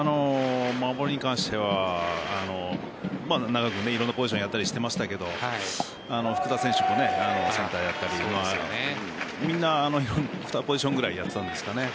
守りに関しては長くいろんなポジションをやったりしていましたが福田選手もセンターをやったりみんな２ポジションぐらいやっていたんですかね。